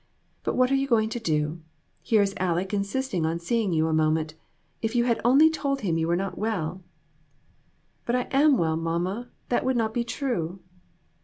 But what are you going to do? Here is Aleck insist ing on seeing you a moment. If you had only told him you were not well." "But I am well, mamma; that would not be true."